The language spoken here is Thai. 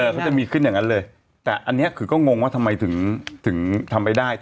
เขาจะมีขึ้นอย่างนั้นเลยแต่อันนี้คือก็งงว่าทำไมถึงทำไปได้